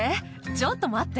ちょっと待って。